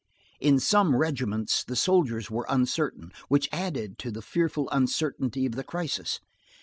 In some regiments, the soldiers were uncertain, which added to the fearful uncertainty of the crisis.